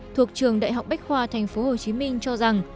thuộc trường đại học bách khoa tp hcm cho rằng